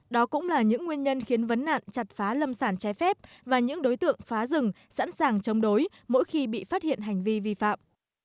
đó cũng là những nguyên nhân khiến vấn nạn chặt phá lâm sản trái phép và những đối tượng phá rừng sẵn sàng chống đối mỗi khi bị phát hiện hành vi vi phạm